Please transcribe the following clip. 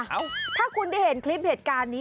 เอ้าถ้าคุณได้เห็นคลิปเหตุการณ์นี้